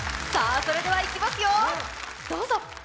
それではいきますよ、どうぞ。